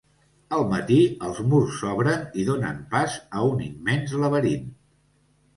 Al matí els murs s'obren i donen pas a un immens laberint.